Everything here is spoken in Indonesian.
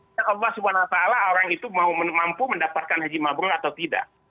insya allah subhanahu wa ta'ala orang itu mampu mendapatkan haji mabrur atau tidak